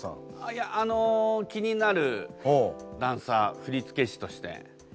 いやあの気になるダンサー振付師として。